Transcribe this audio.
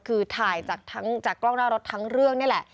คือถ่ายจากทั้งจากกล้องหน้ารถทั้งเรื่องนี่แหละ